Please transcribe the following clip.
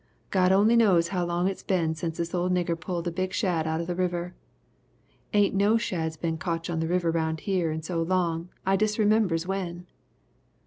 God only knows how long it's been since this old nigger pulled a big shad out of the river. Ain't no shads been cotch in the river round here in so long I disremembers when!